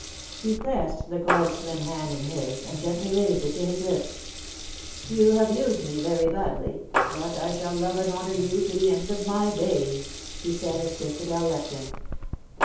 He pressed the cold slim hand in his, and gently raised it to his lips. '' You have used me very badly, but I shall love and honour you to the end of my days," he said, as Christabel left him.